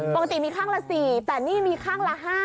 ปกติมีข้างละ๔แต่นี่มีข้างละ๕